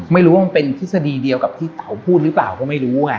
ไม่รู้ว่ามันเป็นทฤษฎีเดียวกับที่เต๋าพูดหรือเปล่าก็ไม่รู้ไง